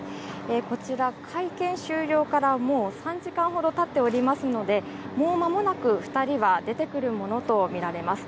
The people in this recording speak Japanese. こちら会見終了から、もう３時間ほどたっておりますので、もう間もなく２人は出てくるものとみられます。